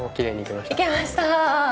いけました！